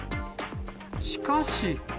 しかし。